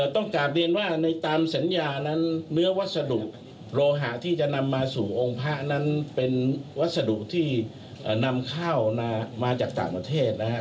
ต้องกลับเรียนว่าในตามสัญญานั้นเนื้อวัสดุโลหะที่จะนำมาสู่องค์พระนั้นเป็นวัสดุที่นำข้าวมาจากต่างประเทศนะครับ